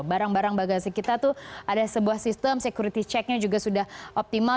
barang barang bagasi kita tuh ada sebuah sistem security check nya juga sudah optimal